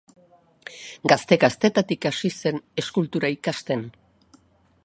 Gazte-gaztetatik hasi zen eskultura ikasten.